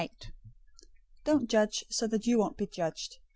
007:001 "Don't judge, so that you won't be judged.